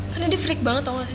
karena dia freak banget tau ga sih